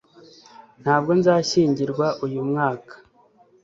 ntabwo nzashyingirwa uyu mwaka